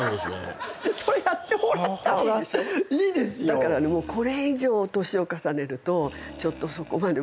だからねこれ以上年を重ねるとちょっとそこまで無理かな。